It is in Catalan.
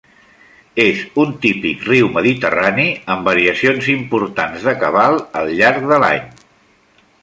És un típic riu mediterrani, amb variacions importants de cabal al llarg de l'any.